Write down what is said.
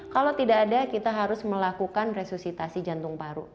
kalau tidak ada kita harus melakukan resusitasi jantung paru